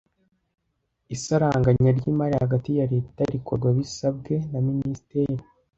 Isaranganya ry’imari hagati ya Leta rikorwa bisabwe na minisiteri